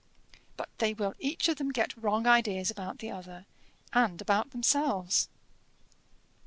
"But they will each of them get wrong ideas about the other, and about themselves.